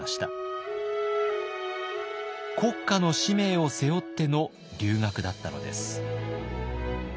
国家の使命を背負っての留学だったのです。